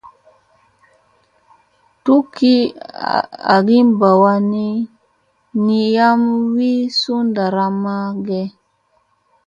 Dukki agi mɓa wanni, ni maana yam wi suu ɗaramma ge ?